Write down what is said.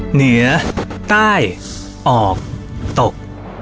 เหนือใต้ออกตก